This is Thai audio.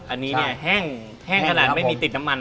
อันนี้เนี่ยแห้งขนาดไม่มีติดน้ำมัน